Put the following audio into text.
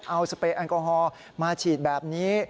เอาสเปรแอลกอฮอล์มาฉีดแบบนี้